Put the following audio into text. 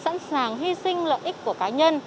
khi mà ai ai cũng sẵn sàng hy sinh lợi ích của cá nhân